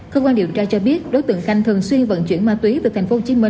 công an điều tra cho biết đối tượng khanh thường xuyên vận chuyển ma túy từ tp hcm